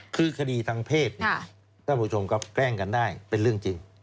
คือคดีทางเพศท่านผู้ชมครับแกล้งกันได้เป็นเรื่องจริง